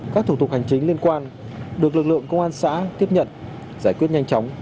các thủ tục hành chính liên quan được lực lượng công an xã tiếp nhận giải quyết nhanh chóng